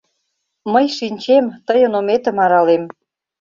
— Мый шинчем, тыйын ометым аралем.